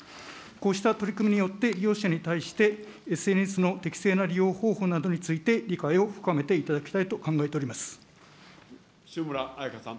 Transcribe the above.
こうした取り組みによって利用者に対して、ＳＮＳの適正な利用方法などについて理解を深めていただきたいと塩村あやかさん。